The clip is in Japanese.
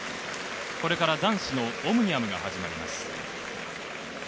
これから男子のオムニアムが始まります。